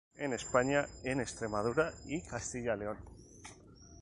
En España en Extremadura, Castilla y León.